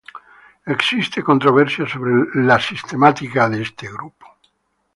Existe controversia sobre la sistemática de este grupo.